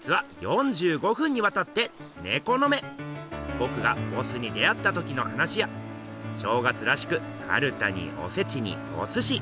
ぼくがボスに出会ったときの話や正月らしくかるたにおせちにおすし！